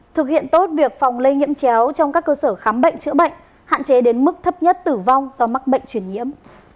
thực hiện tốt việc phòng lây nhiễm chéo trong các cơ sở khám bệnh chữa bệnh hạn chế đến mức thấp nhất tử vong do mắc bệnh truyền nhiễm